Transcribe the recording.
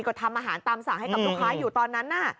ก็ทำอาหารตามสั่งให้กับลูกค้าอยู่ตอนนั้นน่ะ